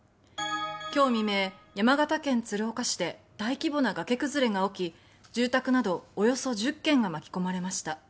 今日未明、山形県鶴岡市で大規模な崖崩れが起き住宅などおよそ１０軒が巻き込まれました。